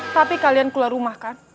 tapi kalian keluar rumah kan